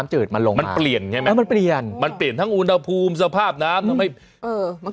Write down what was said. หอยมันเปลี่ยนเปลี่ยนทั้งอุณหภูมิสภาพน้ำ